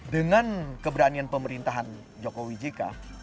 dengan keberanian pemerintahan jokowi jk